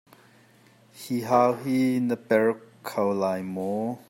Hi hau hi na per kho lai maw?